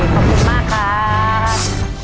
ขอบคุณมากครับ